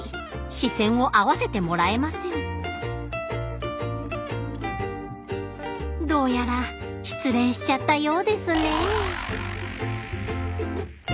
視線を合わせてもらえませんどうやら失恋しちゃったようですね